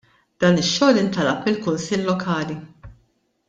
Dan ix-xogħol intalab mill-kunsill lokali.